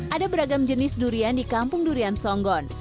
ada beragam jenis durian di kampung durian songgon